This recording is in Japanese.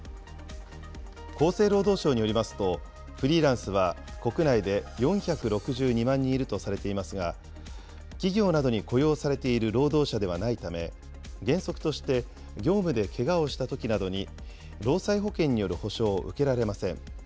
厚生労働省によりますと、フリーランスは国内で４６２万人いるとされていますが、企業などに雇用されている労働者ではないため、原則として、業務でけがをしたときなどに労災保険による補償を受けられません。